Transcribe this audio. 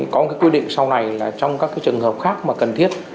có một quy định sau này là trong các trường hợp khác mà cần thiết